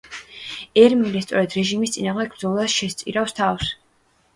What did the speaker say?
ერმილე სწორედ რეჟიმის წინააღმდეგ ბრძოლას შესწირავს თავს.